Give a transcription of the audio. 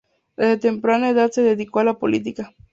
Desde temprana edad se dedicó a la política.